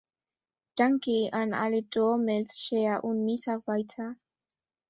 Danke an alle Dolmetscher und Mitarbeiter.